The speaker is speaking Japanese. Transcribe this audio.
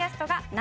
何？